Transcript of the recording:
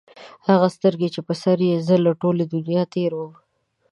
هغه سترګي چې په سر یې زه له ټولي دنیا تېر وم